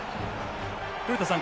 古田さん